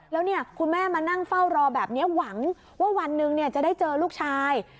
แล้วคุณแม่มานั่งเฝ้ารอแบบนี้หวังว่าวันหนึ่งจะได้เจอลูกชาย